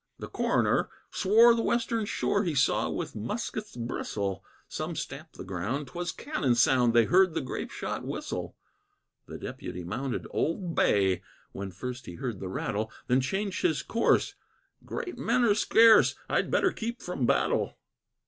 The Cor'ner swore the western shore He saw with muskets bristle; Some stamp'd the ground; 'twas cannon sound, They heard the grape shot whistle. The Deputy mounted "Old Bay," When first he heard the rattle, Then changed his course "Great men are scarce, I'd better keep from battle."